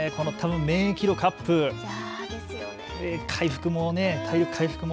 免疫力アップ、体力回復も。